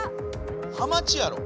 ハマチやろ。